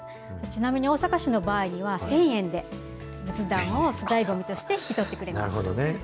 ちなみに大阪市の場合には、１０００円で仏壇を粗大ごみとして引き取ってくれます。